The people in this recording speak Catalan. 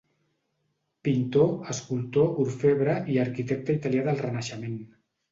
Pintor, escultor, orfebre i arquitecte italià del Renaixement.